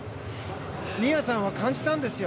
新谷さんは感じたんですよ